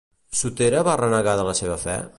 Sotera va renegar de la seva fe?